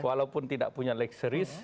walaupun tidak punya lekseris